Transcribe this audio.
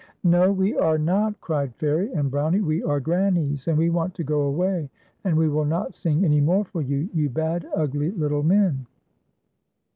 " Xo, we are not," cried Fairie and Brownie; "we are Granny's, and we want to go away, and we will not sing any more for you, you bad, ugly little men."